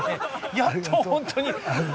やっと本当に。